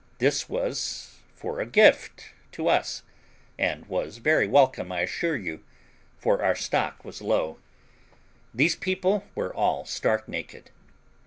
This was for a gift to us, and was very welcome, I assure you, for our stock was low. These people were all stark naked.